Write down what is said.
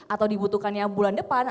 atau dibutuhkannya bulan depan